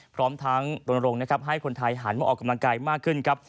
พร้อมทางโดนโรงให้คนไทยหารมาออกกำลังกายมากขึ้นครับ